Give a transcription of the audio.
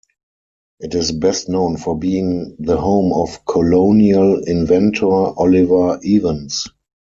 It is best known for being the home of colonial inventor Oliver Evans.